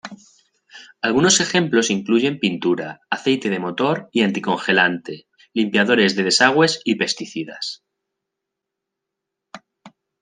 Algunos ejemplos incluyen pintura, aceite de motor y anticongelante, limpiadores de desagües, y pesticidas.